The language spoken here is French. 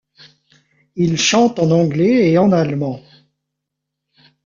Il chante en anglais et en allemand.